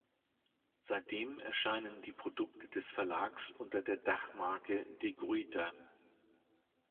Seitdem erscheinen die Produkte des Verlags unter der Dachmarke De Gruyter.